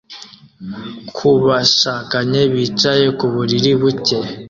kubashakanye bicaye ku buriri buke